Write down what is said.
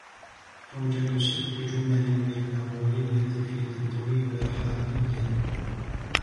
توجد ست جمل بالمغولية في تتويبا حاليا.